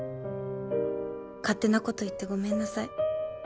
勝手なこと言ってごめんなさい。